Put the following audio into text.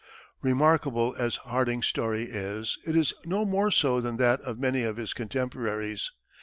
Remarkable as Harding's story is, it is no more so than that of many of his contemporaries.